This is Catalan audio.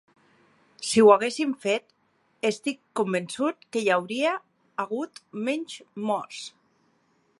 Si ho haguéssim fet, estic convençut que hi hauria hagut menys morts.